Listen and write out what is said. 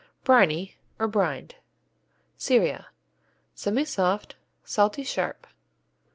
Briney, or Brined Syria Semisoft, salty, sharp.